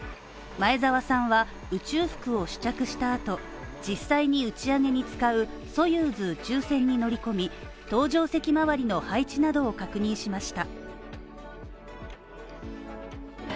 前澤さんは、宇宙服を試着した後、実際に打ち上げに使う「ソユーズ」宇宙船に乗り込み、搭乗席周りの配置などを確認しました。